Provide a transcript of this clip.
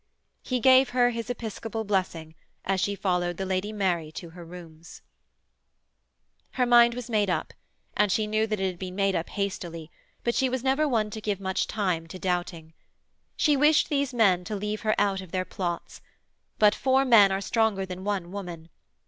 He gave her his episcopal blessing as she followed the Lady Mary to her rooms. Her mind was made up and she knew that it had been made up hastily, but she was never one to give much time to doubting. She wished these men to leave her out of their plots but four men are stronger than one woman.